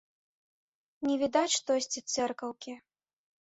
Не відаць штось і цэркаўкі.